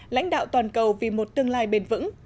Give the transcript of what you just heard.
lãnh đạo toàn cầu vì một tương lai bền vững